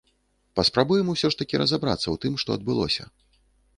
Паспрабуем усё ж такі разабрацца ў тым, што адбылося.